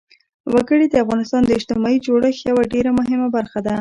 وګړي د افغانستان د اجتماعي جوړښت یوه ډېره مهمه برخه ده.